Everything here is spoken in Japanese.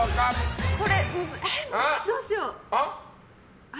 どうしよう。